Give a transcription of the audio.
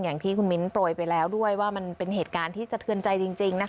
อย่างที่คุณมิ้นโปรยไปแล้วด้วยว่ามันเป็นเหตุการณ์ที่สะเทือนใจจริงนะคะ